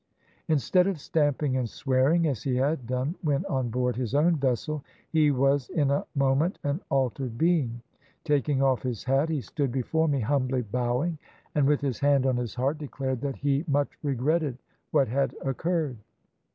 "Instead of stamping and swearing as he had done when on board his own vessel, he was in a moment an altered being. Taking off his hat, he stood before me humbly bowing, and with his hand on his heart, declared that he much regretted what had occurred.